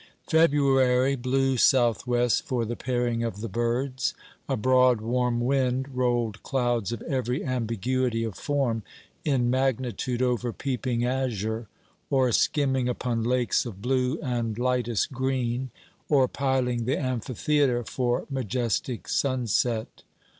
February blew South west for the pairing of the birds. A broad warm wind rolled clouds of every ambiguity of form in magnitude over peeping azure, or skimming upon lakes of blue and lightest green, or piling the amphitheatre for majestic sunset.